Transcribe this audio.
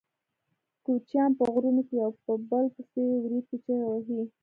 کوچیان په غرونو کې یو په بل پسې وریتې چیغې وهي.